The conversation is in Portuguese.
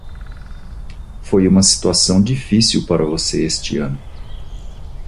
Foi uma situação difícil para você este ano.